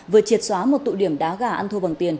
vừa triệt xóa một tụ điểm đá gà ăn thua bằng tiền